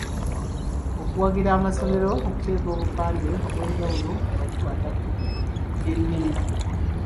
Okuwagira amasomero okuteeka obupande obwenjawulo nga bukwata ku by'ennimi.